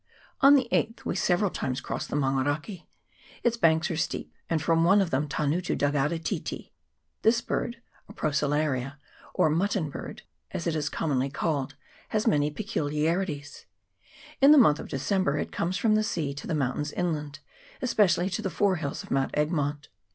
On the 8th we several times crossed the Mango rake. Its banks are steep, and from one of them Tangutu dug out a titi : this bird, a Procellaria, or mutton bird as it is commonly called, has many peculiarities. In the month of December it comes from the sea to the mountains inland, especially to the fore hills of Mount Egmont.